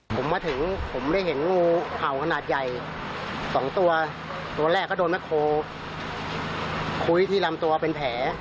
ผมมาถึงผมได้เห็นงูเห่าขนาดใหญ่สองตัวตัวแรกก็โดนแบ็คโฮคุ้ยที่ลำตัวเป็นแผล